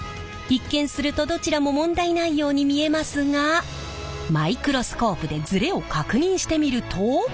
一見するとどちらも問題ないように見えますがマイクロスコープでズレを確認してみると。